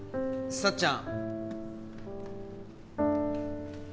さっちゃん！？